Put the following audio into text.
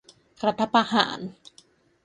รัฐประหาร